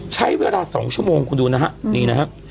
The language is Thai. ใช้เวลา๒ชั่วโมงคุณดูนะฮะนี่นะครับ